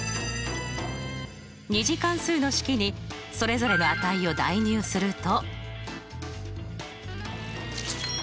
２次関数の式にそれぞれの値を代入すると。